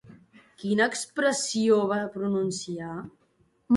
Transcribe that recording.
Quina expressió va pronunciar?